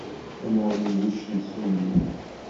Tamuɣli n wuccen s ulli.